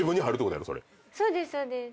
そうですそうです。